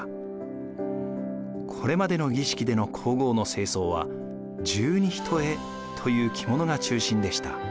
これまでの儀式での皇后の正装は十二単という着物が中心でした。